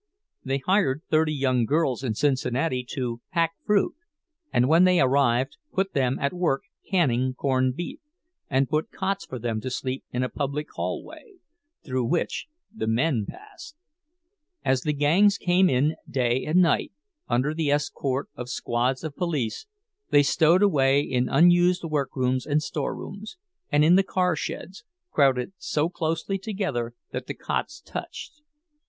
They hired thirty young girls in Cincinnati to "pack fruit," and when they arrived put them at work canning corned beef, and put cots for them to sleep in a public hallway, through which the men passed. As the gangs came in day and night, under the escort of squads of police, they stowed away in unused workrooms and storerooms, and in the car sheds, crowded so closely together that the cots touched.